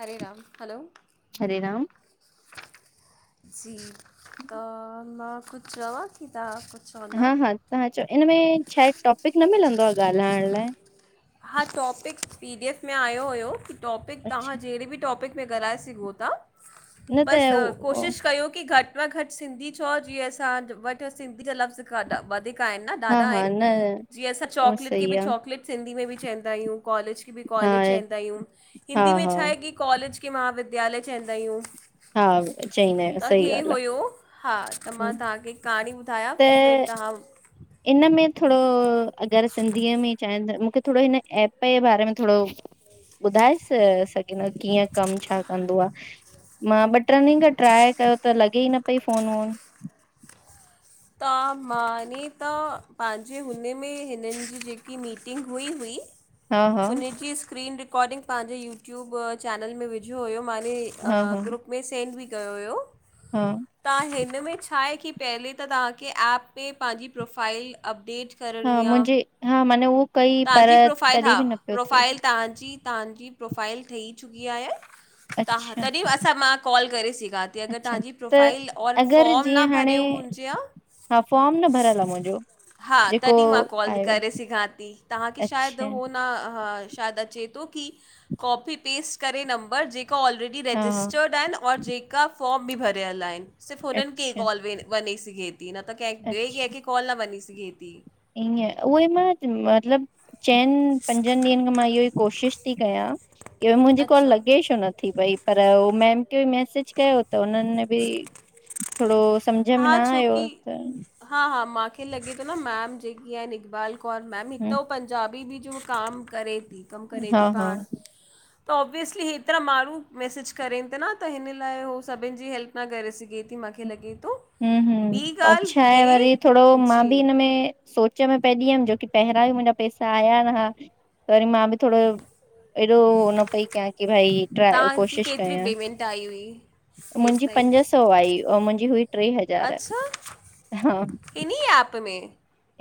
Hare Ram, hello Hare Ram Zee का ना मां कुझु चवां की तां कुछ हा हा, तहां चो इन में छा आहे, टॉपिक न मिलंदो आहे ॻाल्हाइण लाइ? हा टॉपिक, पी डी एफ में आयो हुयो, की टॉपिक अच्छा तांहां जेहिड़े बि टॉपिक में ॻलाए सी घो ता, न त बसि उहो कोशिश कयो की घटि त्वां घटि सिंधी चओ जीअं, असां वटि सिंधी जा लफ़्ज़ ॻाॾा वधीक का हिनि न हा दादा हा आहिनि, न जीअं असां उहो चॉकलेट खे सही बि आहे चॉकलेट सिंधी में बि चईंदा हियूं, कॉलेज के बि हा कॉलेज चईंदा हियूं, हा हिंदी में हा छा आहे की? कॉलेज के महाविद्यालय चईंदा हियूं। हा चईंदा आहिन सही ॻाल्हि आ। हा त मां तव्हांखे कहाणी ॿुधायां त फिर तव्हां इन में थोरो अगरि सिंधीअ में ई चान था मूंखे थोरो हिन एप पे जे बारे में थोरो ॿुधाए स सघींदा कीअं कम छा कंदो आ। मां ॿ ट्रिन ॾींहंन खां ट्राए कयो त लॻे ई न पई फोन वोन। त मां ने त पांजे हुन में हिननि जी जेकी मीटिंग हुई हुई। हा हा हुनजी स्क्रीन रिकारर्डिंग पांजे यूट्यूब चैनल में विझियो हुयो मांने अ हा हा ग्रुप में सेंड बि कयो हुयो। हा, तव्हां हिन में छा आहे की पहिले त तव्हांखे ऐप ते पांजी प्रोफाइल अपडेट हा करणी आहे मुंजे हा माने उह तव्हांजी प्रोफ़ाइल हा, प्रोफ़ाइल तव्हांजी तव्हांजी प्रोफ़ाइल ठही चुकी आहे तां अच्छा तॾहिं असां मां कॉल करे सघां थी। जे अगरि अच्छा तव्हांजी त प्रोफाइल और अगरि फॉम न जीअं हाणे भरियो हुजे हा हा फॉर्म न भरियल आ मुंहिंजो हा जेको तॾहिं मां कॉल आयो आहे। करे सिघां थी तव्हां की शायदि अच्छा हो न हा हा, शायदि अचे थो की कॉपी पेस्ट करे नंबर जेका ऑलरे डी हा रजिस्टर आहिन और जेका फॉर्म बि भरियल आहिन सिर्फ़ हुननि खे अच्छा कॉल बने सघे थी न त के बे कह अच्छा के कॉल न बनी सघी थी। ईअं उहेई मां मतिलबु चइनि पंजनि ॾींहंनि खां मां इहो ई कोशिश ती कयां की मुंहिंजी कॉल अच्छा लॻे छो नथी पई पर हो मैम खे मेसेज कयो। त उन्हनि बि थोरो सम्झ में न हा आयो छोकी त हा हा मांखे लॻे थो न मैम जेकी आहे इकबाल कौर मैम हिकु हम्म, त हो पंजाबी बि जो कम करे थी कमु करे हा थी पाण [inaudible] त ऑब्वियसली एतिरा माण्हू मैसेज करनि त न त हिन लाइ उहो सभिनि जी हेल्प न करे सघे थी माखे लॻे थो। हूं हूं ॿी और ॻाल्हि छा आहे वरी थोरो हे मां जी बि हिनमें सोच में पइजी वियमि जोकी पहिरियां बि मुंहिंजा पैसा आया न हुआ त वरी मां बि थोरो हेॾो हो न पई कयां की भाई ट्राए तव्हांजी कोशिश केतिरी कयां पेमेंट आई हुई हेसि मुंजी ताईं पंज सौ आई मुंहिंजी हुई टे हज़ार अच्छा हा इन्ही ऐप में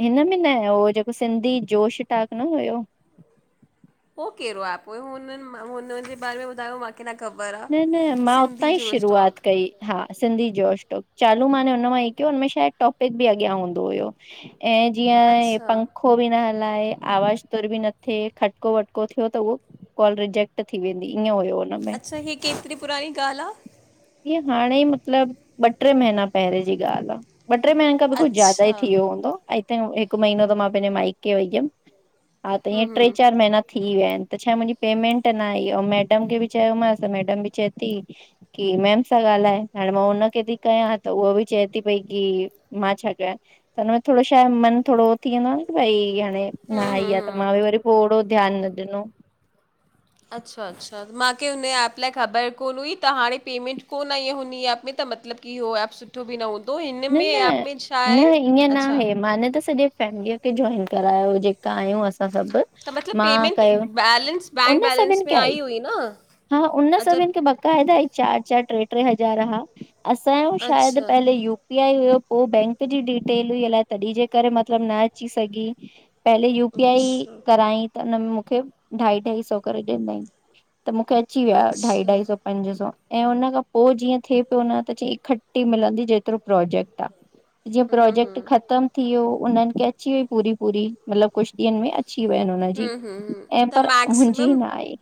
हिन में न हो जेको सिंधी जोश टाक न हुयो। हो कहिड़ो एप हुयो हुननि मां हुन जे बारे में ॿुधायो मांखे मुखे न ख़बर आ। न न मां उतां ई शुरूआत कई। हा सिंधी जोशटोक चालू माने हुन मां ई कयोम टॉपिक बि अॻियां हूंदो हुयो। ऐं जीअं ऐ अच्छा पंख खो बि न हलाए आवाज़ तुर बि न थे खटको वटको थियो त उहो कॉल रिजेक्ट थी वेंदी ईअं हुयो हुनमे अच्छा हे केतिरी पुराणी ॻाल्ह आ? इअ हाणे ई मतिलबु ॿ टे महीना पहिरें जी ॻाल्ह आ। ॿ ट्रे महीननि खां बि कुझु ज्यादा ई अच्छा थी वियो हूंदो ऐं हिकु महीनो त मां पंहिंजे माइके वई हुयमि हा त इअं ट्रे चार महीना थी विया आहिन त छा मुंहिंजी पेमेंट ना आई आ ऐं मैडम खे बि चयोमांस त मैडम बि चए थी। की मेम सां ॻाल्हाए हाणें मां हुनखे थी कयां त उहा बि चए ती पई की मां छा कयां त हुनमें थोड़ो छाहे मन थोड़ो हो थी वेंदो आ न की भई हाणे हाणे न आई आ त मां बि वरी पो ओड़ो ध्यानु न ॾिनो। अच्छा -अच्छा, माखे हुन एप लाए ख़बर कोन्ह हुई, त हाणे पेमेंट कोन्ह आई हुन ई एप में त मतिलबु की हो एप सु ठो बि न हुंदो इन न न न इह्यें ना हे माने त सॼे फैमिलीअ खे जॉइन करायो, जेका आहियूं असां सभु। त मतलब मां पेमेंट कयो बैलेंस उन बैंक बैलेंस सभिनि में खे आई हुई न? हा उन्ह अच्छा सभिनि खे बकाएदा आई। चार - चार, ट्रे - ट्रे हज़ार हा, असांजो शायद अच्छा पहले यू पी हुयो पो बैंक जी डिटेल हुई, अलाए तॾहिं जे करे मतलब न अची सघी। पहले यू पी आई अच्छा करायंई त हिनन मुखे ढाई -ढाई सौ करे ॾीनई त मुखे अची विया हा ढाई- अच्छा ढाई सौ। पंज सौ, ऐं हुन खां पो जीअं थिए पियो न त चई इकट्ठी मिलंदी जे तिरो प्रोजेक्ट आ, जीअं हम्म प्रोजेक्ट हम्म ख़तम थी वियो उन्हन खे अची वई पूरी -पूरी मतलब कुछ ॾींहन में अची वयन हुन नजी, हम्म हम्म हम्म। ऐं त पर मुंजी मैक्सिमम न आई।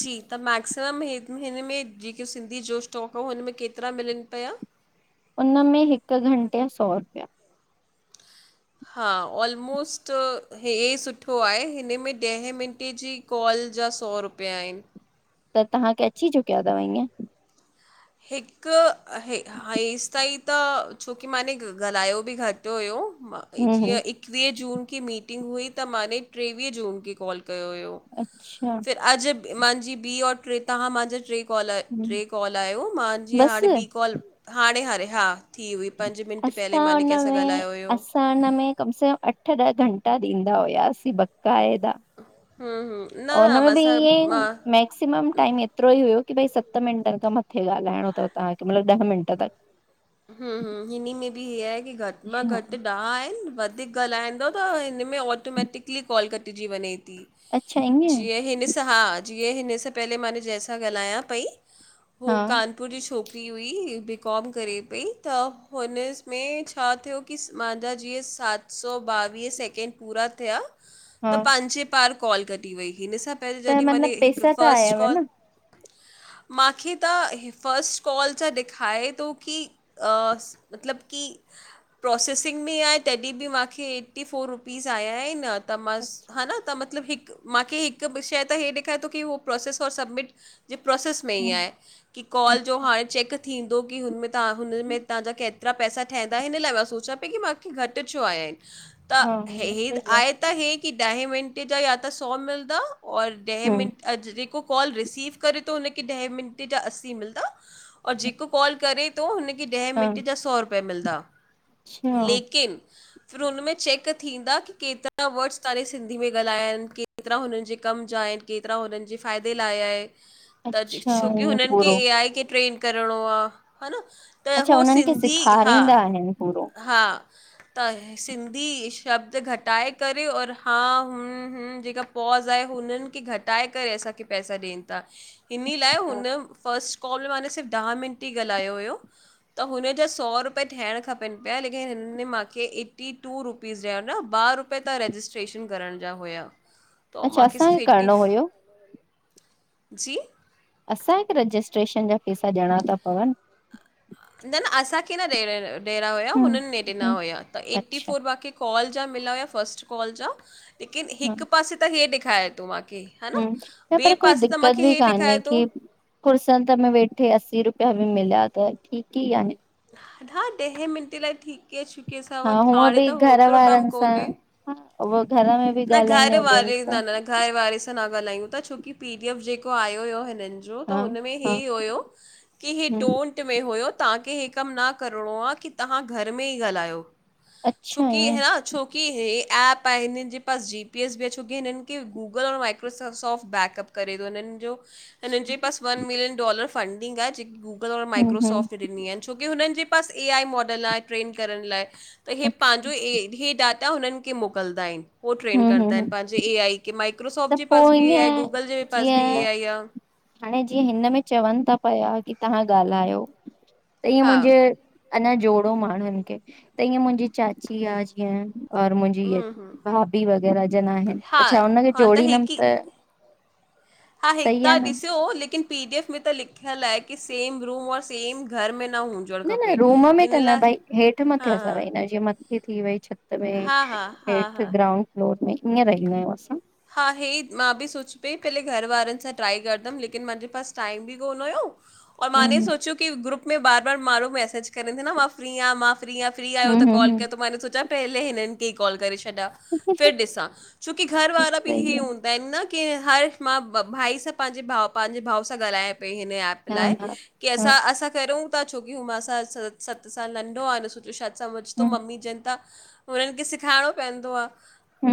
जी त मैक्सिमम हिन में जेके सिंधी जो स्टॉक हो हुनमें केतिरा मिलन पया? उन्ह में हिक घंटे जा सौ रुपया। हा ओलमोस्ट हे सुठो आहे, हिन में ॾहे मिन्टें जी कॉल जा सौ रुपिया आहिन। त तहांखे अची चुकिया थव ईंयं। हिक आहे। हा हेसि ताईं त छोकी मां ने ॻाल्हायो बि घटि हुयो हम्म जीअं हम्म एकवीह जून की मीटिंग हुई त माने ट्रेवीह जून के कॉल कयो हुयो। अच्छा। फिर अॼु मांजी ॿी और ट्रे तहां मांजा ट्रे कॉल हम्म ट्रे कॉल आहियो मांजी बस हाणे ॿी काल आ कॉल हाणें- हारे हा थी हुई पंज मिंट पहिले माने कैंसां ॻाल्हायो हुयो। त हुन में कम से कम अठ ॾह घंटा ॾींदा हुयासीं बकाएदा। हूं हूं। और हुनमें बि ईंयंई मैक्सीमम टाइम ऐति तिरो ई हुयो की भई सत मिंटनि खां मत्थे ॻाल्हाएंणो तव तहांखे मतिलबु ॾह मिंट तक। हूं हूं हिनिमें में बि हे आहे की घटि मां हा घटि ॾह आहिनि वधीक ॻाल्हाईंदव त हिन मे ऑटोमैटिकली काल कटजी वंञें ती, अच्छा ईअं जीअं ही ॾिसु हा जीअं हि ॾिसु पहले मांने जैंसां ॻाल्हायां पई हू हा कानप - पुर जी छोकिरी हुई बी कॉम करे पई त हुनमें में छा थियो की मांजा जीअं सत सौ ॿावीह सैकेंड पूरा थिया हा त पांजे पांण कॉल कटी वयी हिनसां पहिले त जॾी माने मतलबु हिकु पैसा त फर्स्ट आयव कॉल न? माखे त हे फर्स्ट कॉल जा ॾेखाए तो की अ स मतलब की प्रोसेसिंग में आहे तॾी बि माखे एटी फ़ोर रुपीस आया हिनि अॼ त मस हा न त मतलबु हिकु माखे हिकु शंइ त हे ॾेखारे तो की हो प्रोसेस और सब्मिट जे प्रोसेस में हिअ आए कि कॉल जो अच्छा हाणे चेक थींदो की हुनमे ताहां की हुन्मे ताहांजा कैत एतरा पैसा ठाहींदा हिन लाए मां सोचां पई की मांखे घट छो आया आहिन। त हा हे हे सही आहे त हे की ॾहे मिंटे जा या त सौ मिलदा और ॾहे मिंट अज जेको कॉल रिसीव करे तो उनखे ॾहें मिंटे जा अस्सी मिलदा। और जेको कॉल करेे तो हुनखे ॾहे हा मिंटे जा सौ रुपया मिलदा अच्छा लेकिन फिर हुनमें चेक थींदा की केतरा वर्ड्स तहां सिंधी में ॻाल्हाइन केतरा हुनन जे कम जा आहिन केतरा हुनन जे फ़ाइदे लाए आहे, त अच्छा छोकी ईअं हुनन खे पूरो ए आई खे ट्रेन करणो आ ह न त हो अच्छा उन्हनि खे सिंधी हा सेखारींदा आहिनि पूरो हा त सिंधी शब्द घटाए करे और हा हुन हूँ जेका पॉज़ आहे हुनन खे घटाए करे असांखे पैसा ॾेन ता। इन्ही लाए अच्छा हुन फर्स्ट कॉल वाने सिर्फ़ ॾह मिंट ई ॻाल्हायो हुयो। त हुन जा सौ रुपय थियण खपीन प्या लेकिन हिनन मांखे एटी टू रू पीस ॾ न ॿ रुपए त रजिस्ट्रेशन करण जा हुया। त अच्छा मूंखे असांखे सिर्फ़ु एटी करणो हुयो? जी? असांखे रजिस्ट्रेशन जा पेसा ॾियणा ता पवन? न न असांखे न ॾे ॾेहड़ा हुआ हम्म हुनन ने ॾिना हम्म हुया त एटी अच्छा फोर बाक़ी कॉल जा मिला हुया फस्ट कॉल जा लेकिन हा हिक पासे त इहे ॾेखारे तो मांखे। हम्म, न पर कोई दिक्कत बि ॾेखारे काने थो की। कुुर्सनत में वेठे अस्सी रुपया बि मिला त ठीक ई आहे। हा ॾहे मिंटे लाए ठीक ही आ छुकी असां हा वट हूअं हाणे बि त घर होतरो कम वारनि सां कोने। हा घर में बि न ॻाल्हाईंदा घर आहियूं ॿियनि वारे सां न न न घर वारे सां न ॻाल्हायूं था छोकी पी डी एफ जेको आयो हुयो हिनन जो जो हा त हुनमे हे हा ही हुयो की हे हूं डोन ट में हुयो ताहांखे हे कम न करणो आ की ताहां घर में ई ॻाल्हायो। अच्छा छोकी ईअं ह छोकी हे ऐप आहे इनजे पास जी पी एस बि आ छोकी हिनन खे गूगल और माइक्रोसो सॉफ्ट बैकअप करे तो हिनन जो हिनन जे पास वन मिलियन डॉलर फंडिंग आ जेकी गूगल और हूं हूं माइक्रोसोफ्ट डिनी आहे छोकी हुनन जे पास ए आई मॉडल आहे ट्रेन करण लाए त हे अच्छा पांजो ए हे डाटा हुनन खे मोकलदा आहिन उह ट्रेंड हूं हूं कंदा हूं आहिन पांजे ए आई की त माइक्रोसोफ्ट जे पो पास बि ए आई आ, ईअं गूगल जे बि पास बि ए जीअं आई आ हाणे जीअं हिन में चवन ता पया की ताहां ॻाल्हायो, त ईअं हा मुंजे अञा जोड़ो माण्हुन खे त ईअं मुंजी चाची आ जीअं और मुंजी ईअ भाभी वग़ैरह जन आहिन हा त छा हुनखे हा जोड़ींदम हिकु त ई त हा हे त सही आ न ॾिस्यो लेकिन पी डी एफ में त लिख्यल आ की सेम रूम र सेम घर में न हूंद न न रूम में त न भई, हेठ मथे हा असां रहींदा जीअ मथे थी वई छत में हा हा हा हा हेठ हा ग्राउंड फ्लोर में, ईअं रहींदा आयूं असां। हा हे ही मां बि सोची पई पेहले घर वारन सां ट्राए करदम लेकिन मांजे पास टाइम बि कोन हुयो और हूं मां ने सोच्यो की ग्रुप में बार बार मांणु लो मैसेज करें थी न मां फ्री यां मां फ्री आहिय फ्री आयो हूं त हूं कॉल हूं कयो हूं त मां इ सोचां पैहले हिनन खे ई कॉल करे छॾा। फर ॾिसां छोकी घर वारा बि सही आ इ हूं हूंदा आहिनि न की हर मां भाई सां पंहिंजे भाउ पंहिंजे भाउ सां ॻाल्हायां पई हिन एप हा लाय हा कि हा अंसा अंसा करयूं ता छोक्री मां सां स सत साल नढ्हो आहे डिसु त शायद समझ तो ह ममी जंन ता हुननि खे सेखारणो पवंदो आहे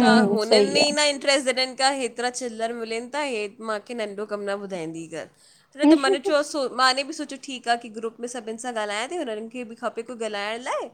त हुन सही आहे न प्रेसिडेंट खां हेतिरा चिलर मिलनि था हे मूंखे नंढो कमु न ॿुधाईंदी कर छ त मन जो मांने बि सोचियो ठीकु आहे की ग्रुप में सभिनि सां ॻाल्हायां थी हुननि खे बि खपे कोई ॻाल्हाइण लाइ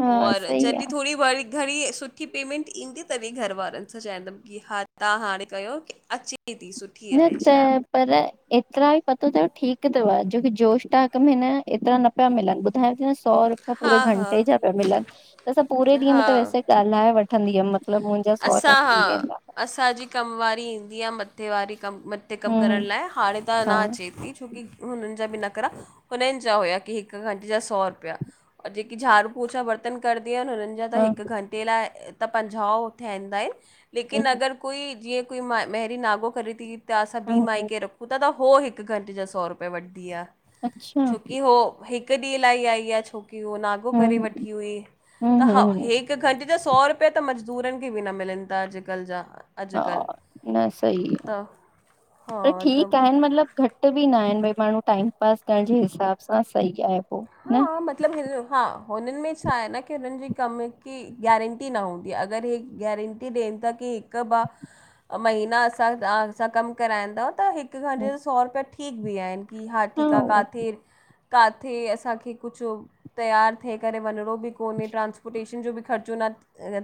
हा और सही जॾहिं आहे थोरी वरी घणी सुठी पेमेंट ईंदी तॾहिं घर वारारनि सां चाहींदमि हा तव्हां हाणे कयो की अचे थी सुठी न आहे त शइ पर एतिरा ई पतो अथव ठीक अथव जोकी जोत टाक में न एतिरा न पिया मिलनि ॿुधायां थी न सौ रुपया हा पूरे हा घंटे जा पया मिलनि त असां पूरे ॾींहं हा त वैसे ॻाल्हाए वठ वठंदीअमि मतिलबु मुंहिंजा सौ रुपया असां थी हा वेंदाआ असांजी कमवी ईंदी आहे मथे वारी कम म पिकअप हम्म करण हम्म, लाइ हाणे त न हा अचे थी छोकी हुननि जा बि न करा हुननि जा हुया की हिक घंटे जा सौ रुपया और जेकी झाड़ू पोछा बर्तन कंदी आहिनि हुननि जा त हा हिकु घंटे लाइ त पंजाहु ठहंदा आहिनि लेकिन हम्म अगरि कोई जीअं कोई म मेहरी नागो करे थी त असां ॿी हम्म, माई हम्म, खे रख हुतां त हो हिकु घंटे जा सौ रुपया वठदी आहे अच्छा छोकी हो हिकु हिक ॾींहुं लाइ आई आहे छोकी उअ नागो करे हम्म वठी हुई त हम्म हम्म हा हम्म, हे हिकु घंटि जा सौ रुपया त मज़दूरनि खे बि न मिलनि था अॼुकल्ह जा हा अॼुकल्ह न सही आहे त हा पर त ठीकु आहे मतलबु घटि घट बि न आहिनि भई माण्हू टाइम पास करण जे हिसाब सां सही आहे पोइ हा मतिलबु हा हुननि में छा आहे न की हुननि जी कम की गारं टी न हूंदी आहे अगरि हे गारंटी ॾियनि था की हिकु ॿ महीना असां तव्हां सां कमु कराईंदव त हिक अॾ सौ रुपया ठीक बि आहिनि कि हा ठीक आहे काथे काथे असांखे कुझु तयारु थए करे वञिणो बि कोन्हे ट्रांस्पोटेशन जो बि ख़र्चो न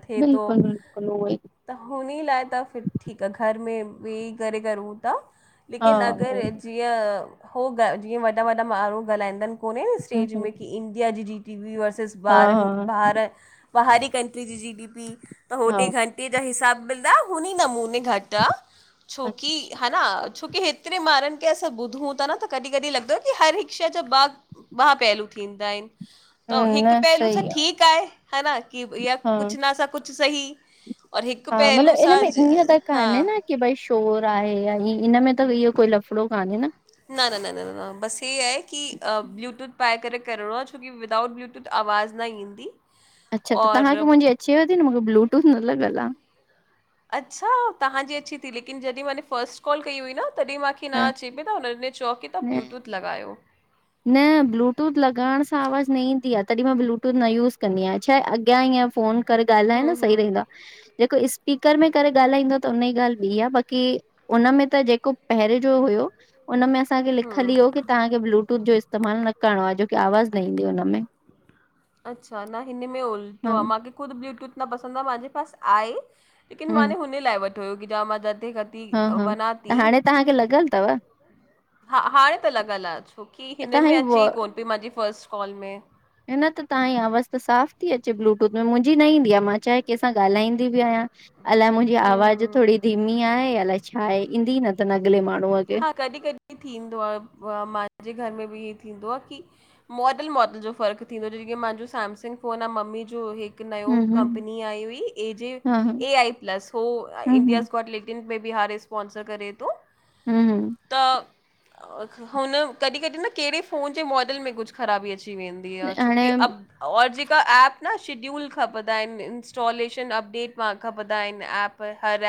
थिए थो बिल्कुलु बिल्कुलु उहो ई त हुन ई लाइ त फ ठीकु आहे घर में वेही करे करेूं था हा लेकिन अगरि उहोई जीअं होगा जीअं वॾा वॾा माण्हू ॻाल्हाईंदा आहिनि कोन्हे हम्म स्टेज हम्म में की इन इंडिया जी जी डी पी वर्सिस हा ॿारनि हा भार ॿहारी कंट्री जी जी डी पी त हो हा टे घंटे जा हिसाब मिलंदा हुन ई नमूने घटि आहे छोकी अच्छा हर छोकी हेतिरे ॿारनि खे असां ॿुधूं था न त कॾहिं कॾहिं लॻंदो की हर हिक शय जो बाग ॿ पहलू थींदा आहिनि त हम्म हिकु न पहलू सां सही आ ठीकु आहे है न की इहा हा कुझु नस कुझु सही और हिकु हा पहलू मतिलबु इन सां में ईअं त हा कान्हे न की भई शोर आहे या ही इनम में त इहो कोई लफड़ो कान्हे न? न न न न न न बस ही आहे की अ ब्लूटूथ पाए करे करिणो आहे छोकी विदाउट ब्लूटूथ त आवाज़ न ईंदी अच्छा त और तव्हांखे अम, मुंहिंजी अचेव थी न ब्लूटूथ न लॻल आहे अच्छा तहांजी अचे थी लेकिन जॾहिं माने फस्ट कॉल कई हुई न तॾहिं मांखे न हा अचे पई त हुननि चओ की तव्हां न ब्लूटूथ लॻायो न ब्लूटूथ लॻाइण सां आवाज़ु न ईंदी आहे तॾहिं मां ब्लूटूथ न यूज़ कंदी आहियां छाहे अॻियां ईअं फ़ोन करे ॻाल्हाए न सही रहंदो आहे जेको स्पीकर में करे ॻाल्हाईंदो त हुनन जी ॻाल्हि ॿी आहे बाक़ी उन में त जेको पहिरें जो हुयो उन में असांखे लिखल ई हो की तहां खे बलूटूथ जो इस्तेमाल न करणो आ जो अच्छा न हिन में हा उल्टो आ मां- ख़ुद ब्लूटूथ न पसंद आहे मुंहिंजे पास आहे लेकिन माने हुन लाइ वठो हुयो की जा मां जाते हा-हा त हाणे तव्हांखे लॻियल तव? हा हाणे त लॻलि आहे छोकी हिन में तव्हांजी अचे व ही कोन पई मांजी फस्ट कॉल में। न त तव्हांजी आवाज़ त साफ़ ती अचे ब्लूटूथ में मुंजी न ईंदी आ मां चाहे कंहिं सां ॻाल्हाईंदी बि आहियां। अलाए मुंजी हम्म आवाज हम्म थोडी धीमी आहे अलाए छा आहे ईंदी न थन अॻले माण्हूअ खे। हा कॾहिं कॾहिं थींदो आ, मांजे घर में बि ईअं थींदो आ की। मॉडल मॉडल जो फ़र्क़ु थींदो आ जीअं मांजो सॅमसंग फोन आ मम्मी जो हिक हिक नयो हम्म हम्म कंपनी आई हुई एजे हा हा एआई प्लस हो हम्म इंडियास गौट इन में बि हारे स्पॉंसर करे थो। हम्म त हुन कॾहिं कॾहिं न कहिड़े फ़ोन जे मॉडल में कुछ ख़राबी अची वेंदी दि आ छोकि हाणे अ‌ब और जेका ऐप न शेड्यूल खपंदा आहिन इंस्टॉलेशन अपडेट मां खपंदा आहिनि एप हर एप